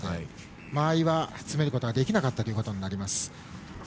間合いは詰めることができなかったことになります。